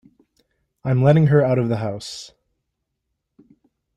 I'm letting her out of the house.